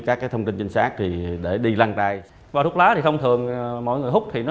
các thông tin chính xác thì để đi lăng tay và thuốc lá thì không thường mọi người hút thì nó